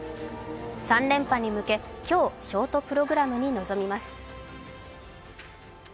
３連覇に向け、今日ショートプログラムに臨みます。